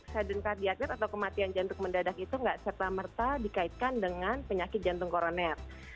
sudden cardiac death atau kematian jantung mendadak itu gak serta merta dikaitkan dengan penyakit jantung koroner